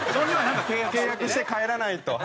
契約して帰らないと。